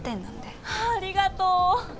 ありがとう！